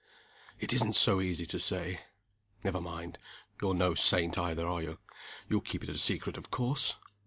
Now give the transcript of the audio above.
"It isn't so easy to say. Never mind you're no saint either, are you? You'll keep it a secret, of course?